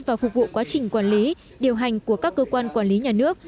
và phục vụ quá trình quản lý điều hành của các cơ quan quản lý nhà nước